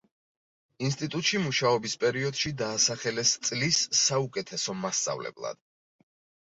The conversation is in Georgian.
ინსტიტუტში მუშაობის პერიოდში დაასახელეს წლის საუკეთესო მასწავლებლად.